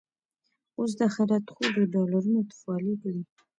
اوس دا خيرات خور، د ډالرونو تفالې کوي